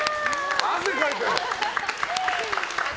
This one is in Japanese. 汗かいてる。